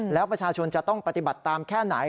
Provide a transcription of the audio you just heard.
แล้วประชาชนจะต้องปฏิบัติตามแค่ไหน